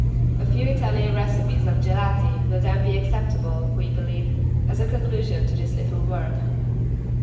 A few Italian recipes of =gelati= will then be acceptable, we believe, as a conclusion to this little work.